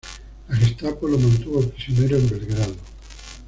La Gestapo lo mantuvo prisionero en Belgrado.